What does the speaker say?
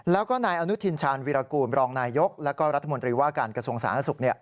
แล้วก็นายอนุทินชาญวิรากูลรองนายยกแล้วก็รัฐมนตรีว่าการกระทรวงสาธารณสุข